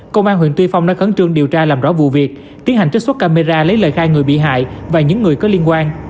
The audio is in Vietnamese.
công an huyện tuy phong đã khẩn trương điều tra làm rõ vụ việc tiến hành trích xuất camera lấy lời khai người bị hại và những người có liên quan